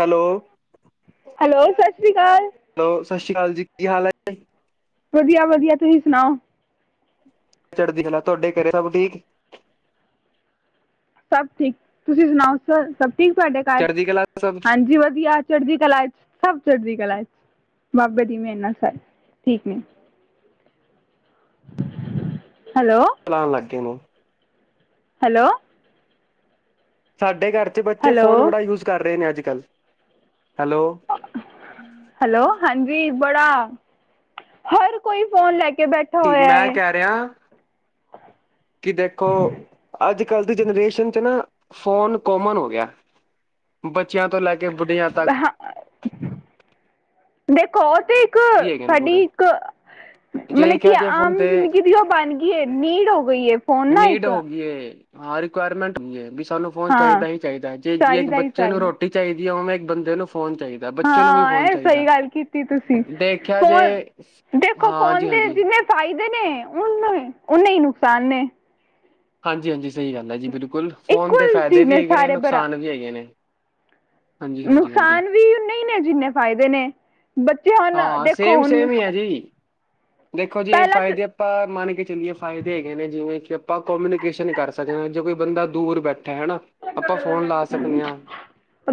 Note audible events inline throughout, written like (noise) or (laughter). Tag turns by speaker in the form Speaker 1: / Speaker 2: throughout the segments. Speaker 1: Hello.
Speaker 2: Hello ਸਸ ਸ਼੍ਰੀ ਅਕਾਲ।
Speaker 1: ਹੈਲੋ ਸਸ ਸ਼੍ਰੀ ਅਕਾਲ ਜੀ ਕੀ ਹਾਲ ਐ?
Speaker 2: ਵਧੀਆ-ਵਧੀਆ ਤੁਸੀਂ ਸੁਣਾਓ?
Speaker 1: ਚੜ੍ਹਦੀ ਕਲਾ ਤੁਆਡੇ ਘਰੇ ਸਭ ਠੀਕ?
Speaker 2: ਸਭ ਠੀਕ ਤੁਸੀਂ ਸੁਣਾਓ? ਸ ਸਭ ਠੀਕ ਤੁਆਡੇ ਘਰ
Speaker 1: ਚੜ੍ਹਦੀ ਕਲਾ ਸਭ
Speaker 2: ਹਾਂਜੀ ਵਧੀਆ ਚੜ੍ਹ ਜੀ ਕਲਾ ਏ। ਸਭ ਚੜ੍ਹਦੀ ਕਲਾ ਏ ਬਾਬੇ ਦੀ ਮੇਰ ਨਾਲ ਠੀਕ ਨੇ- ਹੈਲੋ।
Speaker 1: ਚਲਾਣ ਲੱਗ ਗਏ ਓਨੂੰ
Speaker 2: ਹੈਲੋ।
Speaker 1: ਸਾਡੇ ਘਰ ਚ ਬੱਚੇ
Speaker 2: ਹੈਲੋ
Speaker 1: ਫ਼ੋਨ ਬੜਾ ਯੂਜ ਕਰ ਰਹੇ ਨੇ। ਅੱਜਕੱਲ੍ਹ ਹੈਲੋ
Speaker 2: ਹੈਲੋ ਹਾਂਜੀ ਬੜਾ। ਹਰ ਕੋਈ ਫੋਨ ਲੈ ਕੇ ਬੈਠਾ ਹੋਇਆ
Speaker 1: ਮੈਂ
Speaker 2: ਹੈ
Speaker 1: ਕੈ ਰਿਆ ਕਿ ਦੇਖੋ। ਅੱਜਕੱਲ੍ਹ ਦੀ ਜਨਰੇਸ਼ਨ ਚ ਨਾ ਫੋਨ ਕੋਮਨ ਹੋ ਗਿਆ। ਬੱਚਿਆਂ ਤੋਂ ਲੈ ਕੇ ਬੁੱਡੀਆਂ ਤੱਕ।
Speaker 2: ਹਾਂ ਦੇਖੋ ਤੇ
Speaker 1: ਵੀ ਹੈਗੇ ਨੇ
Speaker 2: ਸਾਡੀ
Speaker 1: ਪੂਰੇ
Speaker 2: ਇੱਕ
Speaker 1: ਜੇ
Speaker 2: ਮਤਲਬ ਕੀ
Speaker 1: ਕਿਹਾ ਜੇ ਫੋਨ
Speaker 2: ਆਮ
Speaker 1: ਤੇ
Speaker 2: ਜਿੰਦਗੀ ਦੀ ਓ ਬਣ ਗੀ ਏ ਨੀਡ ਹੋ ਗਈ ਐ। ਫੋਨ ਨਾ
Speaker 1: ਨੀਡ
Speaker 2: ਇੱਕ
Speaker 1: ਹੋ ਗਈ ਹਾਂ ਰਿਕੁਆਇਰਮੈਂਟ ਹੋਗੀ ਵੀ ਸਾਨੂੰ ਫੋਨ
Speaker 2: ਹਾਂ
Speaker 1: ਚਾਈਦਾ ਹੀ ਚਾਈਦਾ। ਜੇ ਜੇ
Speaker 2: ਚਾਹੀਦਾ ਹੀ
Speaker 1: ਬੱਚੇ ਨੂੰ
Speaker 2: ਚਾਹੀਦਾ
Speaker 1: ਰੋਟੀ ਟੀ ਚਾਈਦੀ ਓਵੇੈਂ ਇੱਕ ਬੰਦੇ ਨੂੰ ਫੋਨ ਚਾਈਦਾ।
Speaker 2: ਹਾਂ ਐ ਸਈ ਗੱਲ ਕੀਤੀ। ਤੁਸੀਂ
Speaker 1: ਦੇਖਿਆ
Speaker 2: ਫੋਨ
Speaker 1: ਜੇ
Speaker 2: ਦੇਖੋ ਫੋਨ
Speaker 1: ਹਾਂਜੀ
Speaker 2: ਤੇ
Speaker 1: ਹਾਂਜੀ
Speaker 2: ਜਿੰਨੇ ਫਾਇਦੇ ਨੇ ਓਨੇ ਈ ਨੁਕਸਾਨ ਨੇ।
Speaker 1: ਹਾਂਜੀ-ਹਾਂਜੀ ਸਈ ਗੱਲ ਐ ਜੀ ਬਿਲਕੁਲ ਫੋਨ ਦੇ
Speaker 2: ਇਕੁਅਲ
Speaker 1: ਫਾਇਦੇ
Speaker 2: ਚੀਜ਼
Speaker 1: ਵੀ ਹੈਗੇ ਨੇ
Speaker 2: ਸਾਰੇ ਬਰਾ
Speaker 1: ਨੁਕਸਾਨ ਵੀ ਹੈਗੇ ਨੇ। ਹਾਂਜੀ ਹਾਂਜੀ ਹਾਂਜੀ
Speaker 2: ਨੁਕਸਾਨ ਵੀ ਓਨੇ ਨੇ, ਜਿੰਨੇ ਫ਼ਾਇਦੇ ਨੇ ਬੱਚੇ ਹੁਣ
Speaker 1: ਹਾਂ
Speaker 2: ਦੇਖੋ ਹੁਣ
Speaker 1: ਸੇਮ-ਸੇਮ ਈ ਐ ਜੀ। ਦੇਖੋ ਜੀ ਏ
Speaker 2: ਪਹਿਲਾਂ ਚ
Speaker 1: ਫਾਇਦੇ ਆਪਾਂ ਮੰਨ ਕੇ ਚੱਲੀਏ, ਫਾਇਦੇ ਹੈਗੇ ਨੇ ਜਿਵੇਂ ਕਿ ਆਪਾਂ ਕੋਮਿਊਨੀਕੇਸ਼ਨ ਕਰ ਸਕਦੇ ਆ। ਜੇ ਕੋਈ ਬੰਦਾ ਦੂਰ ਬੈਠਾ ਐ ਹਨਾ। ਆਪਾਂ ਫੋਨ ਲਾ ਸਕਦੇ ਆਂ।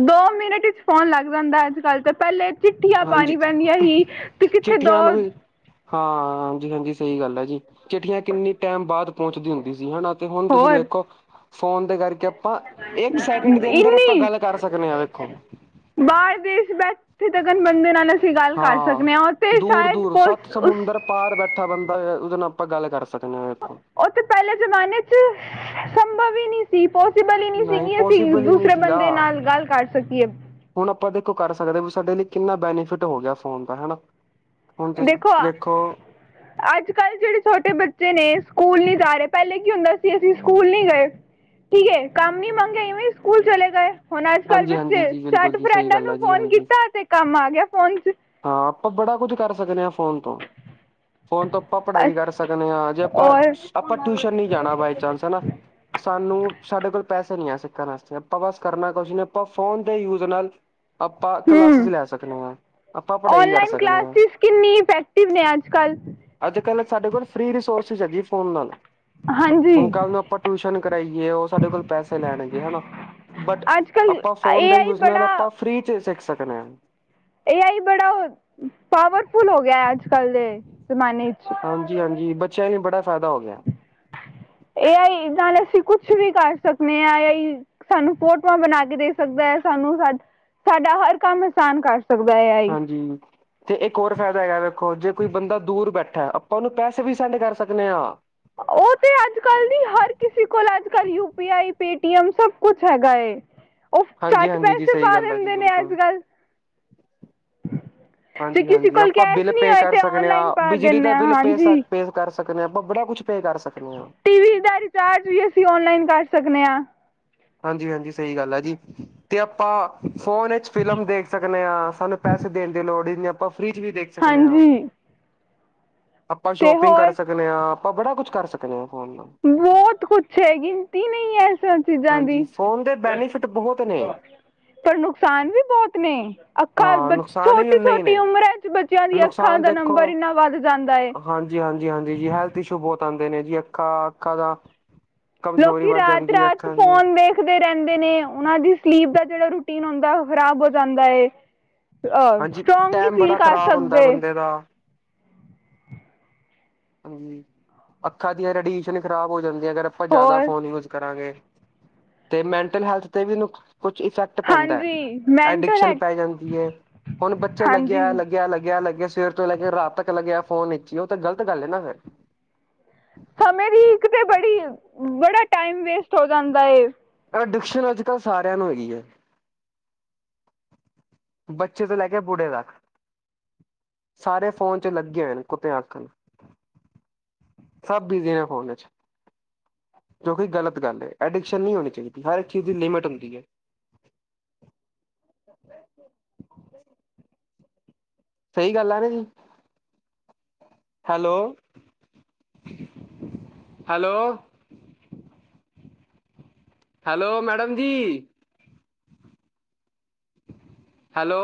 Speaker 2: ਦੋ ਮਿੰਟ ਵਚ ਫੋਨ ਲੱਗ ਜਾਂਦਾ ਅੱਜਕੱਲ੍ਹ ਤਾਂ ਪਹਿਲੇ ਚਿੱਠੀਆਂ ਪਾਣੀ
Speaker 1: ਹਾਂਜੀ
Speaker 2: ਪੈਂਣ ਹੀ ਤੇ ਕਿੱਥੇ ਦੋ
Speaker 1: ਚਿੱਠੀਆਂ ਨੂੰ ਵੀ ਹਾਂ, ਹਾਂਜੀ-ਹਾਂਜੀ ਸਈ ਗੱਲ ਆ ਜੀ। ਚਿੱਠੀਆਂ ਕਿੰਨੀ ਟਾਈਮ ਬਾਅਦ ਪਹੁੰਚਦੀ ਹੁੰਦੀ ਸੀ। ਹਨਾ ਤੇ ਹੁਣ ਤੁਸੀਂ
Speaker 2: ਹੋਰ
Speaker 1: ਦੇੇਖੋ ਫੋਨ ਦੇ ਕਰਕੇ ਆਪਾਂ ਏਕ ਸੈਕਿੰਡ ਦੇ ਅੰਦਰ ਆਪਾਂ ਗੱਲ ਕਰ ਸਕਦੇ ਆ ਵੇਖੋ
Speaker 2: ਬਾਰ ਦੇਸ਼ ਬੈਠੇ ਤੇ ਗੱਲ ਬੰਦੇ ਨਾਲ ਤੁਸੀਂ ਗੱਲ ਕਰ
Speaker 1: ਹਾਂ
Speaker 2: ਸਕਦੇ ਓ ਤੇ
Speaker 1: ਦੂਰ
Speaker 2: ਸ਼ਾਇਦ
Speaker 1: ਦੂਰ ਸੱਤ ਸਮੁੰਦਰ ਪਾਰ ਬੈਠਾ ਬੰਦਾ ਉਦੇ ਨਾ ਆਪਾਂ ਗੱਲ ਕਰ ਸਕਦੇ ਆ ਵੇਖੋ
Speaker 2: ਓ ਤੇ ਪਹਿਲੇ ਜ਼ਮਾਨੇ ਚ ਸੰਭਵ ਈ ਨਹੀਂ ਸੀ। ਪੋਸੀਬਲ ਈ ਨੀ ਸੀ
Speaker 1: ਨਹੀਂ
Speaker 2: ਵੀ ਅਸੀਂ
Speaker 1: ਪੋਸੀਬਲ ਹੀ ਨਹੀਂ
Speaker 2: ਦੂਸਰੇ
Speaker 1: ਸੀਗਾ
Speaker 2: ਬੰਦੇ ਨਾਲ ਗੱਲ ਕਰ ਸਕੀਏ।
Speaker 1: ਹੁਣ ਆਪਾਂ ਦੇਖੋ ਕਰ ਸਕਦੇ ਆ ਵੀ ਸਾਡੇ ਲਈ ਕਿੰਨਾ ਬੈਨੀਫਿਟ ਹੋ ਗਿਆ। ਫੋਨ ਦਾ ਹੈ ਨਾ ਹੁਣ ਤੁਸੀਂ ਦੇਖੋ।
Speaker 2: ਅੱਜਕੱਲ੍ਹ ਜੇੜੇ ਛੋਟੇ ਬੱਚੇ ਨੇ ਸਕੂਲ ਨਹੀਂ ਜਾ ਰਏ ਪਹਿਲੇ ਕੀ ਹੁੰਦਾ ਸੀ। ਅਸੀਂ ਸਕੂਲ ਨੀ ਗਏ। ਠੀਕ ਐ ਕੰਮ ਈ ਮੰਗੇ ਇਵੇਂ ਸਕੂਲ ਚਲੇ ਗਏ। ਹੁਣ ਅੱਜਕੱਲ੍ਹ
Speaker 1: ਹਾਂਜੀ ਹਾਂਜੀ
Speaker 2: ਬੱਚੇ
Speaker 1: ਜੀ ਬਿਲਕੁਲ
Speaker 2: ਚੱਟ
Speaker 1: ਜੀ ਸਹੀ
Speaker 2: ਫਰੈਂਡਾਂ
Speaker 1: ਗੱਲ ਹੈ
Speaker 2: ਨੂੰ
Speaker 1: ਜੀ
Speaker 2: ਫੋਨ
Speaker 1: ਹਾਂਜੀ
Speaker 2: ਕੀਤਾ ਤੇ ਕੰਮ ਆ ਗਿਆ ਫੋਨ ਚ
Speaker 1: ਹਾਂ, ਆਪਾਂ ਬੜਾ ਕੁਝ ਕਰ ਸਕਦੇ ਆ ਫੋਨ ਤੋਂ ਫੋਨ ਤੋਂ ਆਪਾਂ ਪੜ੍ਹਾਈ ਕਰ
Speaker 2: ਅਸ-
Speaker 1: ਸਗਨੇ ਆ ਜੇ ਆਪਾਂ,
Speaker 2: ਔਰ
Speaker 1: ਆਪਾਂ ਟਿਊਸ਼ਨ ਨਈ ਜਾਣਾ ਬਾਈ ਚਾਂਸ ਹੈਨਾ। ਸਾਨੂੰ ਸਾਡੇ ਕੋਲ ਪੈਸੇ ਨਈ ਆ ਸਿੱਖਣ ਆਸਤੇ ਆਪਾਂ ਬਸ ਕਰਨਾ ਕੁਛ ਨੇ ਆਪਾਂ ਫੋਨ ਦੇ ਯੂਜ ਨਾਲ ਆਪਾਂ ਕਲਾਸੇਜ ਲੈ ਸਕਨੇ ਆ।
Speaker 2: ਓਨਲਾਈਨ ਕਲਾਸਿਸ ਕਿੰਨੀ ਇਫੈਕਟਿਵ ਨੇ ਅੱਜ ਕੱਲ੍ਹ।
Speaker 1: ਅੱਜ-ਕੱਲ ਸਾਡੇ ਕੋਲ ਫ੍ਰਰੀ ਰਿਸੋਰਸਿਸ ਹੈ ਜੀ ਫੋਨ ਨਾਲ। ਹੁਣ
Speaker 2: ਹਾਂਜੀ
Speaker 1: ਕੱਲ ਨੂੰ ਆਪਾਂ ਟਿਊਸ਼ਨ ਕਰਾਈਏ ਓ ਸਾਡੇ ਕੋਲ ਪੈਸੇ ਲੈਣਗੇ ਹੈਨਾ। ਬਟ
Speaker 2: ਅੱਜ ਕੱਲ
Speaker 1: ਆਪਾਂ ਫੋਨ
Speaker 2: ਏ
Speaker 1: ਦੇ
Speaker 2: ਆਈ
Speaker 1: ਯੂਜ ਨਾਲ
Speaker 2: ਬੜਾ
Speaker 1: ਆਪਾਂ ਫ੍ਰੀ ਚ ਸਿੱਖ ਸਕਨੇ ਆ।
Speaker 2: ਏ ਆਈ ਬੜਾ ਪਾਵਰਫੁਲ ਹੋ ਗਿਆ ਅੱਜ-ਕੱਲ ਦੇ ਜ਼ਮਾਨੇ ਚ।
Speaker 1: ਹਾਂਜੀ-ਹਾਂਜੀ, ਬੱਚਿਆਂ ਨੂੰ ਬੜਾ ਫਾਇਦਾ ਹੋ ਗਿਆ ਐ।
Speaker 2: (inaudible) ਏ ਆਈ ਨਾਲ ਅਸੀਂ ਕੁਛ ਵੀ ਕਰ ਸਗਨੇ ਆ ਏ ਆਈ ਸਾਨੂੰ ਫੋਟੋਆਂ ਬਣਾ ਕੇ ਦੇ ਸਕਦਾ ਐ ਸਾਨੂੰ, ਸਾ ਸਾਡਾ ਹਰ ਕੰਮ ਆਸਾਨ ਕਰ ਸਕਦਾ ਐ।
Speaker 1: ਹਾਂਜੀ ਤੇ ਇੱਕ ਹੋਰ ਫਾਇਦਾ ਹੈਗਾ ਵੇਖੋ ਜੇ ਕੋਈ ਬੰਦਾ ਦੂਰ ਬੈਠਾ ਅ ਤੁਆਨੂੰ ਪੈਸੇ ਵੀ ਸੈਂਡ ਕਰ ਸਗਨੇ ਆ।
Speaker 2: ਉਹ ਤੇ ਅੱਜ-ਕੱਲ ਨੀ ਹਰ ਕਿਸੇ ਕੋਲ ਅੱਜ-ਕਲ ਯੂਪੀਆਈ ਪੇਟੀਐਮ ਸਬ ਕੁਛ ਹੈਗਾ ਏ। ਉਹ ਝੱਟ
Speaker 1: ਹਾਂਜੀ-ਹਾਂਜੀ ਜੀ
Speaker 2: ਪੈਸੇ
Speaker 1: ਸਈ
Speaker 2: ਪਾ
Speaker 1: ਗੱਲ ਆ ਜੀ
Speaker 2: ਦਿੰਦੇ ਨੇ ਅੱਜ
Speaker 1: ਬਿਲਕੁਲ।
Speaker 2: ਕੱਲ ਜੇ ਕਿਸੇ
Speaker 1: ਹਾਂਜੀ-ਹਾਂਜੀ,
Speaker 2: ਕੋਲ
Speaker 1: ਆਪਾਂ
Speaker 2: ਕੈਸ਼
Speaker 1: ਬਿੱਲ
Speaker 2: ਨਹੀਂ
Speaker 1: ਪੇ
Speaker 2: ਹੋਏ
Speaker 1: ਕਰ
Speaker 2: ਤੇ
Speaker 1: ਸਗਨੇ ਆ,
Speaker 2: ਔਨਲਾਈਨ ਪਾ
Speaker 1: ਬਿਜਲੀ
Speaker 2: ਦਿੰਦੇ
Speaker 1: ਦਾ
Speaker 2: ਆ
Speaker 1: ਬਿੱਲ ਪੇ ਸ
Speaker 2: ਹਾਂਜੀ
Speaker 1: ਪੇ ਕਰ ਸਕਨੇ ਆ, ਆਪਾਂ ਬੜਾ ਕੁੱਛ ਪੇ ਕਰ ਸਕਨੇ ਆ।
Speaker 2: ਟੀ ਵੀ ਦਾ ਰਿਚਾਰਜ ਵੀ ਅਸੀਂ ਓਨਲਾਈਨ ਕਰ ਸਗਨੇ ਆ।
Speaker 1: ਹਾਂਜੀ-ਹਾਂਜੀ, ਸਈ ਗੱਲ ਐ ਜੀ। ਤੇ ਆਪਾਂ ਫੋਨ ਚ ਫਿਲਮ ਵੇਖ ਸਗਨੇ ਆ, ਸਾਨੂੰ ਪੈਸੇ ਦੇਣ ਦੀ ਲੋੜ ਈ ਨੀ ਆਪਾਂ ਫ੍ਰੀ ਚ ਵੀ ਦੇਖ ਸਕਦੇ ਹਾਂ।
Speaker 2: ਹਾਂਜੀ।
Speaker 1: ਆਪਾਂ
Speaker 2: ਤੇ
Speaker 1: ਸ਼ੋਪਿੰਗ ਕਰ
Speaker 2: ਹੋਰ
Speaker 1: ਸਗਨੇ ਆ, ਆਪਾਂ ਬੜਾ ਕੁਛ ਕਰ ਸਗਨੇ ਹ ਆ ਫੋਨ ਨਾਲ।
Speaker 2: ਬਹੁਤ ਕੁਛ ਐ ਗਿਣਤੀ ਨਈ ਐ ਸਬ ਚੀਜ਼ਾਂ ਦੀ।
Speaker 1: ਹਾਂਜੀ ਫੋਨ ਦੇ ਬੈਨੀਫਿਟ ਬਹੁਤ ਨੇ
Speaker 2: ਪਰ ਨੁਕਸਾਨ ਵੀ ਬੌਤ ਨੇ, ਅੱਖਾਂ
Speaker 1: ਹਾਂ
Speaker 2: ਬ
Speaker 1: ਨੁਕਸਾਨ ਵੀ ਓਨੇ ਹੀ
Speaker 2: ਛੋਟੀ-ਛੋਟੀ
Speaker 1: ਨੇ।
Speaker 2: ਉਮਰਾ ਚ ਬੱਚਿਆਂ ਦੀਆਂ ਅੱਖਾਂ ਦਾ ਨੰਬਰ ਇੰਨਾ ਵੱਧ ਜਾਂਦਾ ਏ।
Speaker 1: ਹਾਂਜੀ, ਹਾਂਜੀ, ਹਾਂਜੀ ਜੀ ਹੈਲਥ ਇਸ਼ੂ ਬੌਤ ਆਂਦੇ ਨੇ ਜੀ ਅੱਖਾਂ ਅੱਖਾਂ ਦਾ ਕਮਜ਼ੋਰੀ
Speaker 2: ਲੋਕੀ
Speaker 1: ਵੱਧ ਜਾਂਦੀ ਹੈ
Speaker 2: ਰਾਤ-ਰਾਤ
Speaker 1: ਅੱਖਾਂ ਦੀ
Speaker 2: ਫੋਨ ਵੇਖਦੇ ਰੈਂਦੇ ਨੇ ਉਨਾਂ ਦੀ ਸਲੀਪ ਦਾ ਜੇੜਾ ਰੂਟੀਨ ਹੁੰਦਾ ਓ ਖ਼ਰਾਬ ਹੋ ਜਾਂਦਾ ਏ। ਅ
Speaker 1: ਹਾਂਜੀ
Speaker 2: ਸਟ੍ਰੋਂਗ ਨੀ
Speaker 1: ਟੈਮ
Speaker 2: ਫੀਲ
Speaker 1: ਬੜਾ
Speaker 2: ਕਰ
Speaker 1: ਖ਼ਰਾਬ ਹੁੰਦਾ
Speaker 2: ਸਕਦੇ।
Speaker 1: ਬੰਦੇ ਦਾ ਹਾਂਜੀ, ਅੱਖਾਂ ਦੀਆਂ ਰੇਡੀਸ਼ਨ ਖਰਾਬ ਹੋ ਜਾਂਦੀ ਆਂ ਅਗਰ ਆਪਾਂ ਜ਼ੈਦਾ
Speaker 2: ਹੋਰ
Speaker 1: ਫੋਨ ਯੂਜ ਕਰਾਂਗੇ। ਤੇ ਮੈਂਟਲ ਹੈਲਥ ਤੇ ਵੀ ਇਨੂੰ ਕੁਛ ਇਫੈਕਟ ਪੈਂਦਾ ਹੈ।
Speaker 2: ਹਾਂਜੀ। ਮੈਂਟਲ
Speaker 1: ਐਡਿਕਸ਼ਨ ਪੈ ਜਾਂਦੀ ਏ, ਹੁਣ ਬੱਚੇ
Speaker 2: ਹਾਂਜੀ
Speaker 1: ਲੱਗਿਆ, ਲੱਗਿਆ, ਲੱਗਿਆ, ਲੱਗਿਆ ਸਵੇਰ ਤੋ ਲੈ ਕੇ ਰਾਤ ਤੱਕ ਲੱਗਿਆ ਫੋਨ ਈਚ ਈ ਤਾਂ ਗਲਤ ਗੱਲ ਐ ਨਾ ਫਿਰ।
Speaker 2: ਸਮੇ ਦੀ ਇੱਕ ਤੇ ਬੜੀ ਬੜਾ ਟਾਈਮ ਵੇਸਟ ਹੋ ਜਾਂਦਾ ਏ।
Speaker 1: ਐਡਿਕਸ਼ਨ ਅੱਜ-ਕੱਲ ਸਾਰਿਆਂ ਨੂੰ ਹੈਗੀ ਐਂ। ਬੱਚੇ ਤੋਂ ਲੈ ਕੇ ਬੂੜੇ ਤੱਕ। ਸਾਰੇ ਫੋਨ ਚ ਲੱਗੇ ਹੋਏਨ ਕੁੱਤਿਆ ਆਖਣ। ਸਬ ਬੀਜੀ ਨੇ ਫੋਨ ਚ। ਜੋ ਕਿ ਗਲਤ ਗੱਲ ਐ ਐਡਿਕਸ਼ਨ ਨਈ ਹੋਣੀ ਚਾਈਦੀ ਹਰ ਇੱਕ ਚੀਜ਼ ਦੀ ਲਿਮਿਟ ਹੁੰਦੀ ਐ। ਸਈ ਗੱਲ ਆ ਨਾ ਜੀ। Hello, hello. ਹੈਲੋ ਮੈਡਮ ਜੀ। ਹੈਲੋ।